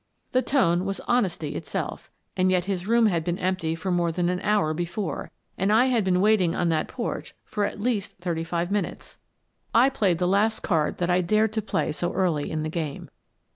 " The tone was honesty itself, and yet his room 8o Miss Frances Baird, Detective had been empty for more than an hour before, and I had been waiting on that porch for at least thirty five minutes! I played the last card that I dared to play so early in the game.